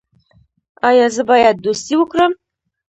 ایا زه باید دوستي وکړم؟